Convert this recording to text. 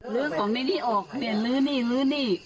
ลื้อสมนี่ที่ออกเดี๋ยวลื้อนี่ลื้อนี่